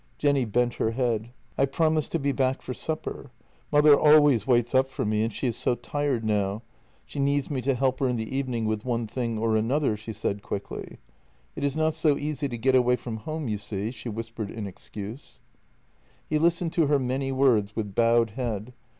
Jenny bent her head: " I promised to be back for supper. Mother always w r aits up for me, and she is so tired now; she needs me to help her in the evening with one thing or another," she said quickly. " It is not so easy to get away from home, you see," she whispered in excuse. He listened to her many words with bowed head.